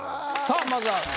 さあまずは。